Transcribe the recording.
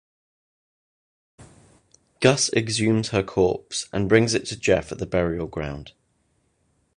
Gus exhumes her corpse, and brings it to Jeff at the burial ground.